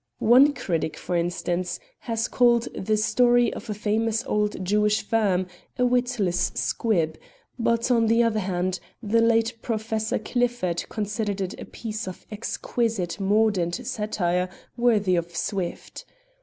One critic, for instance, has called "The Story of a Famous Old Jewish Firm" a witless squib; but, on the other hand, the late Professor Clifford considered it a piece of exquisite mordant satire worthy of Swift.